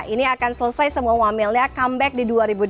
ini akan selesai semua uamil nya comeback di dua ribu dua puluh lima